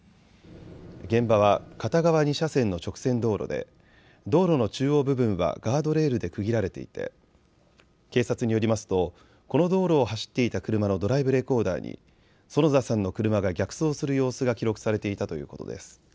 現場は片側２車線の直線道路で道路の中央部分はガードレールで区切られていて警察によりますとこの道路を走っていた車のドライブレコーダーに園田さんの車が逆走する様子が記録されていたということです。